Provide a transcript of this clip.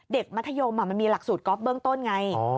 มัธยมมันมีหลักสูตรก๊อฟเบื้องต้นไง